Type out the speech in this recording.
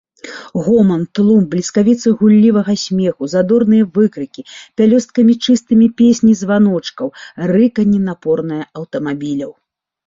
Гоман, тлум, бліскавіцы гуллівага смеху, задорныя выкрыкі, пялёсткамі чыстымі песні званочкаў, рыканне напорнае аўтамабіляў.